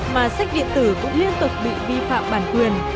mà sách điện tử cũng liên tục bị vi phạm bản quyền